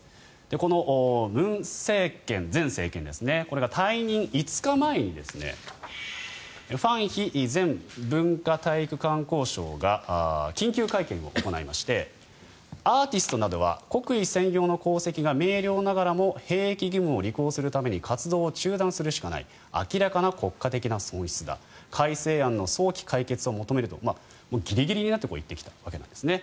この文前政権が退任５日前にファン・ヒ前文化体育観光相が緊急会見を行いましてアーティストなどは国威宣揚の功績が明瞭ながらも兵役義務を履行するために活動を中断するしかない明らかな国家的な損失だ改正案の早期解決を求めるとギリギリになって言ってきたわけなんですね。